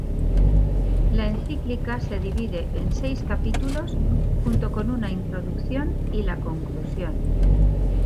La encíclica se divide en seis capítulos, junto con una introducción y la conclusión.